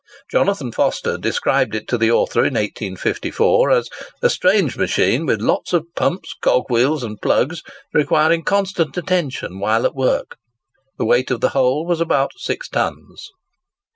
Jonathan Foster described it to the author in 1854, as "a strange machine, with lots of pumps, cog wheels, and plugs, requiring constant attention while at work." The weight of the whole was about six tons.